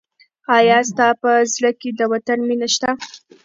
آیا ستا په زړه کې د وطن مینه شته؟